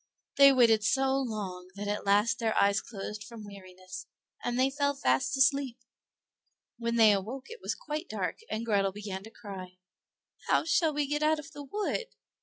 They waited so long that at last their eyes closed from weariness, and they fell fast asleep. When they awoke it was quite dark, and Grethel began to cry; "How shall we get out of the wood?"